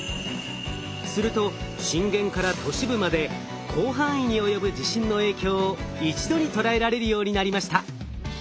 すると震源から都市部まで広範囲に及ぶ地震の影響を一度に捉えられるようになりました。